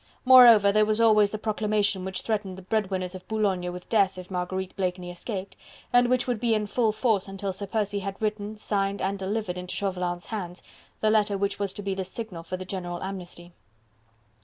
Moreover, there was always the proclamation which threatened the bread winners of Boulogne with death if Marguerite Blakeney escaped, and which would be in full force until Sir Percy had written, signed and delivered into Chauvelin's hands the letter which was to be the signal for the general amnesty.